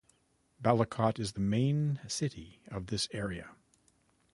Balakot is the main city of this area.